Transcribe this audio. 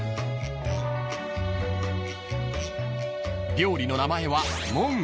［料理の名前は］